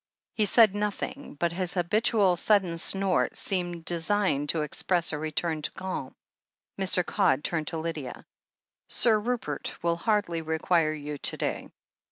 He said nothing, but his habitual, sudden snort seemed designed to express a return to calm. Mr. Codd turned to Lydia. "Sir Rupert will hardly require you to day.